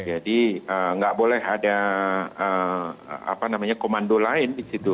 jadi nggak boleh ada komando lain di situ